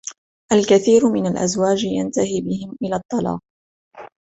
الكثير من الأزواج ينتهي بهم إلى الطلاق.